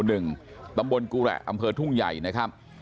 ที่หมู่หนึ่งตำบลกุแหละอำเภอทุ่งใหญ่นะครับ